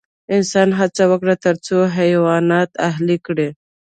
انسان هڅه وکړه تر څو حیوانات اهلي کړي.